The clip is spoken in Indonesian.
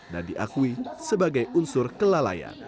dan diakui sebagai unsur kelalayan